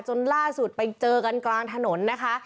จนล่าสุดไปเจอกันกลางถนนนะคะ